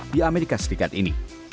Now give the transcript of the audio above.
di amerika serikat ini